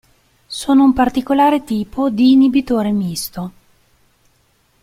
Sono un particolare tipo di inibitore misto.